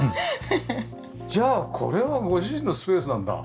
じゃあこれはご主人のスペースなんだ。